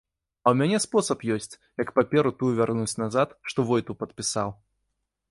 А ў мяне спосаб ёсць, як паперу тую вярнуць назад, што войту падпісаў.